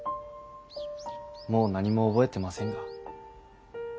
もう何も覚えてませんが。